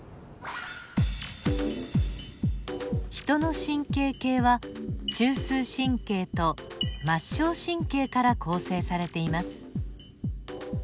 ヒトの神経系は中枢神経と末梢神経から構成されています。